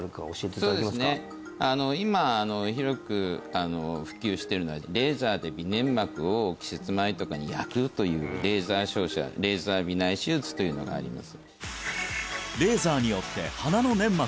そうですね今広く普及しているのはレーザーで鼻粘膜を季節前とかに焼くというレーザー照射レーザー鼻内手術というのがあります